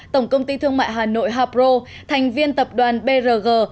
tổng công ty thương mại hà nội hapro thành viên tập đoàn brg